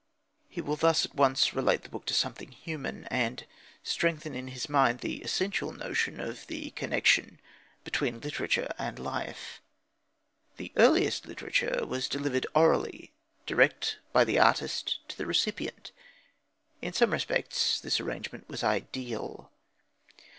He will thus at once relate the book to something human, and strengthen in his mind the essential notion of the connection between literature and life. The earliest literature was delivered orally direct by the artist to the recipient. In some respects this arrangement was ideal.